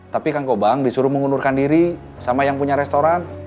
tapi kang gobang disuruh mengundurkan diri sama yang berpengalaman